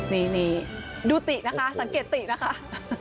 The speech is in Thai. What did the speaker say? นี่ดูตินะคะสังเกตตินะคะ